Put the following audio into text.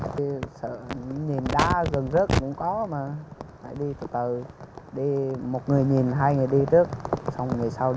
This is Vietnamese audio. thì sợ những nhìn đá gần rớt cũng có mà phải đi từ từ đi một người nhìn hai người đi trước xong người sau đi